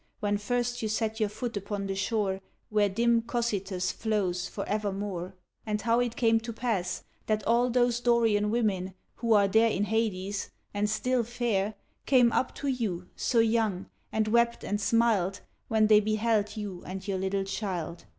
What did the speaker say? When first you set your foot upon the shore Where dim Cocytus flows for evermore. And how it came to pass That all those Dorian women who are there In Hades, and still fair, Came up to you, so young, and wept and smiled When they beheld you and your little child.